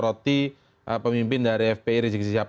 soroti pemimpin dari fpi rizik sihab